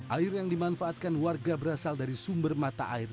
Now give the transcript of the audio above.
air yang dimanfaatkan warga berasal dari sumber mata air